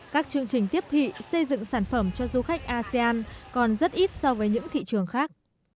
các chương trình tiếp thị xây dựng sản phẩm cho du khách asean còn rất ít so với những thị trường khác